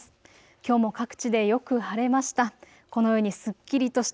きょうも各地でよく晴れました。